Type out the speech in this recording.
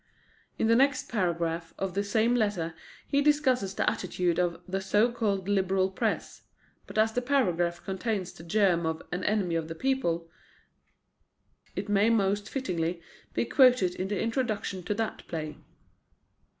In the next paragraph of the same letter he discusses the attitude of "the so called Liberal press"; but as the paragraph contains the germ of An Enemy of the People, it may most fittingly be quoted in the introduction to that play.